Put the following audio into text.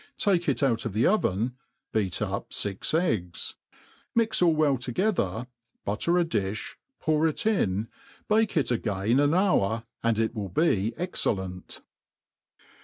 Take it outt of the oven, beat up fix eggs ; Aix iail well together, butter a diib^ pour it in, bake it again an hour, and it wilt be excellent.